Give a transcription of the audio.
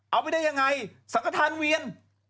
เอาไปได้ยังไงสังขทานเวียน